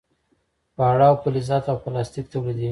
خواړه او فلزات او پلاستیک تولیدیږي.